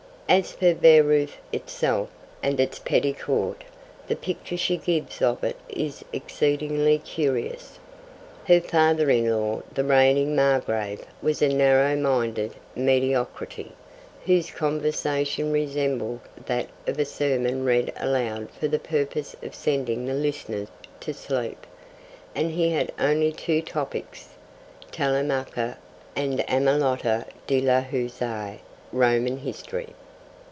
As for Baireuth itself, and its petty Court, the picture she gives of it is exceedingly curious. Her father in law, the reigning Margrave, was a narrow minded mediocrity, whose conversation 'resembled that of a sermon read aloud for the purpose of sending the listener to sleep,' and he had only two topics, Telemachus, and Amelot de la Houssaye's Roman History.